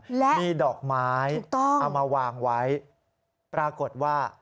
และมีดอกไม้เอามาวางไว้ปรากฏว่า